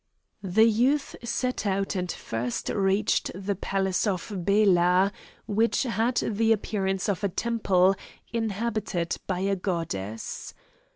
The youth set out and first reached the palace of Bela, which had the appearance of a temple, inhabited by a goddess.